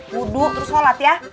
duduk terus sholat ya